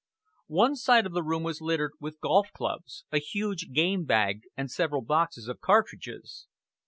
One side of the room was littered with golf clubs, a huge game bag and several boxes of cartridges.